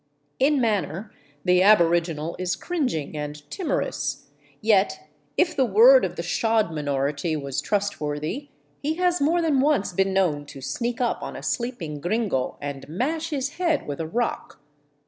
In manner the aboriginal is cringing and timorous, ^et if the word of the shod minority was trustworthy, he has more than Dnce been known to sneak up on a sleeping gringo and mash his head vith a rock.